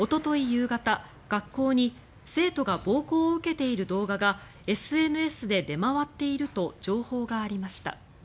夕方、学校に生徒が暴行を受けている動画がＳＮＳで出回っていると情報がありました。